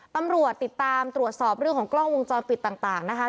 ตำรวจติดตามตรวจสอบเรื่องของกล้องวงจรปิดต่างนะคะ